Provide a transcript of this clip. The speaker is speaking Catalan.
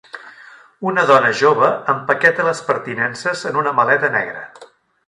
Una dona jove empaqueta les pertinences en una maleta negra.